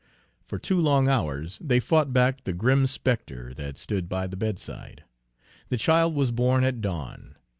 For two long hours they fought back the grim spectre that stood by the bedside. The child was born at dawn.